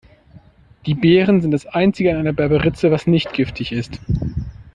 Die Beeren sind das einzige an einer Berberitze, was nicht giftig ist.